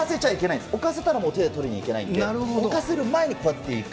置かせたらもう手で取りに行けないので、置かせる前にこうやっていく。